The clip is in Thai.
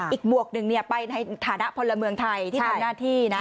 หมวกหนึ่งไปในฐานะพลเมืองไทยที่ทำหน้าที่นะ